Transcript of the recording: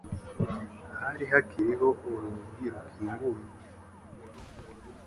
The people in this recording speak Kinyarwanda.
Hari hakiriho “urugi rukinguye”